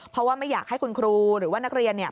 เพราะว่าไม่อยากให้คุณครูหรือว่านักเรียนเนี่ย